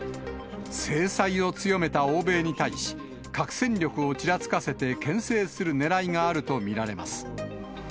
制裁を強めた欧米に対し、核戦力をちらつかせて、けん制するねらいがあると見られます。